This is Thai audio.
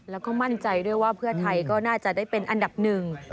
แล้วก็มั่นใจด้วยว่าเพื่อไทยก็น่าจะได้เป็นอันดับหนึ่ง